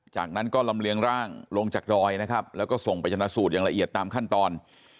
จากนั้นก็ลำเลียงร่างลงจากดอยนะครับแล้วก็ส่งไปชนะสูตรอย่างละเอียดตามขั้นตอน